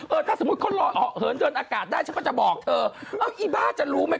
เออถ้าสมมุติเขาเหินเดินอากาศได้ฉันก็จะบอกเธอเอออีบ้าจะรู้มั้ย